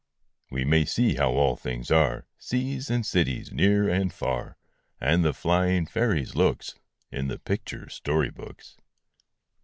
We may see how all things are, Seas and cities, near and far, And the flying fairies' looks, In the picture story books.